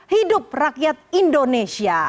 hidup rakyat indonesia